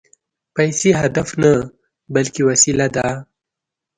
پیسې هدف نه، بلکې وسیله ده